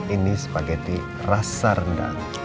ini spageti rasa rendang